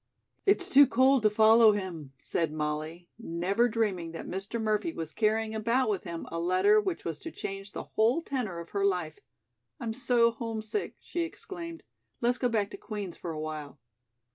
"It's too cold to follow him," said Molly, never dreaming that Mr. Murphy was carrying about with him a letter which was to change the whole tenor of her life. "I'm so homesick," she exclaimed, "let's go back to Queen's for awhile."